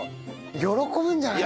喜ぶんじゃない？